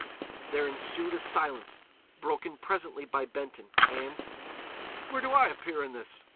There ensued a silence, broken presently by Benton; and: "Where do I appear in this?"